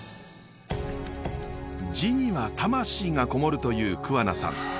字には魂が籠もるという桑名さん。